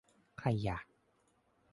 ใครอยาก